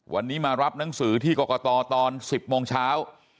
วันนี้มารับหนังสือที่กรกตตอน๑๐โมงเช้า